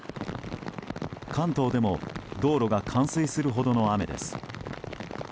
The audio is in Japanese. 関東でも道路が冠水するほどの雨です。